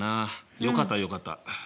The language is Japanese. よかったよかった。